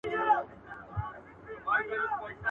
• فقير ته د سپو سلا يوه ده.